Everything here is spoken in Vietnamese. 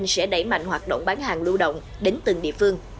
sẽ đẩy mạnh hoạt động bán hàng lưu động đến từng địa phương